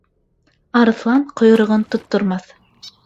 Арыҫлан ҡойроғон тоттормаҫ.